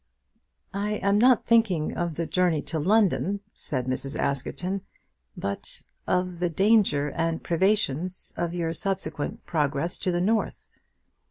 "I am not thinking of the journey to London," said Mrs. Askerton, "but of the danger and privations of your subsequent progress to the North."